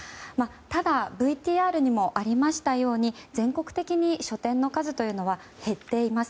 ただＶＴＲにもありましたように全国的に書店の数というのは減っています。